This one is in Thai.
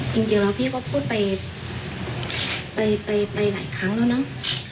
จริงแล้วพี่ก็พูดไปหลายครั้งแล้วเนอะ